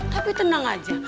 tapi tenang aja